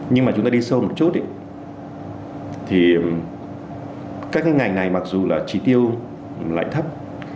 nhưng mà chúng ta đi sâu một chút thì các cái ngành này mặc dù là chỉ tiêu lại thấp